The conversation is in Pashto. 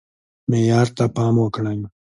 معیار ته پام وکړئ